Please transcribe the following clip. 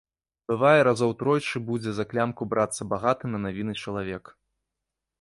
Бывае, разоў тройчы будзе за клямку брацца багаты на навіны чалавек.